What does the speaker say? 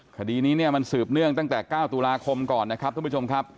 คดีนี้เนี่ยมันสืบเนื่องตั้งแต่๙ตุลาคมก่อนนะครับทุกผู้ชมครับ